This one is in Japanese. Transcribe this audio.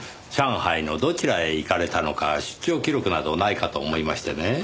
上海のどちらへ行かれたのか出張記録などないかと思いましてね。